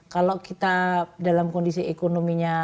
kalau kita dalam kondisi ekonominya